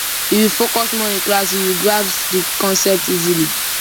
If you focus more in class, you will grasp the concepts easily.